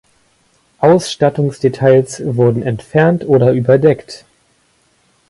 Ausstattungsdetails wurden entfernt oder überdeckt.